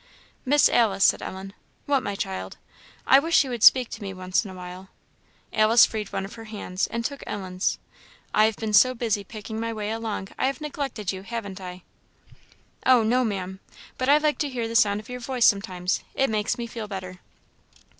"Miss Alice," said Ellen. "What, my child?" "I wish you would speak to me once in a while." Alice freed one of her hands, and took hold of Ellen's. "I have been so busy picking my way along, I have neglected you, haven't I?" "Oh, no, Maam. But I like to hear the sound of your voice sometimes; it makes me feel better."